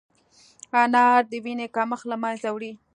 انار د وینې کمښت له منځه وړي.